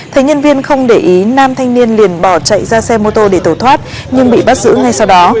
thấy nhân viên không để ý nam thanh niên liền bỏ chạy ra xe mô tô để tẩu thoát nhưng bị bắt giữ ngay sau đó